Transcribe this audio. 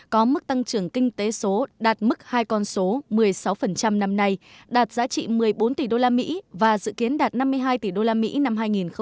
có mức tăng trưởng kinh tế số đạt mức hai con số một mươi sáu năm nay đạt giá trị một mươi bốn tỷ usd và dự kiến đạt năm mươi hai tỷ usd năm hai nghìn hai mươi